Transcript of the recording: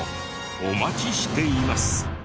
お待ちしています。